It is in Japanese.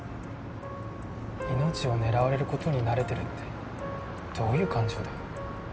命を狙われることに慣れてるってどういう感情だよ。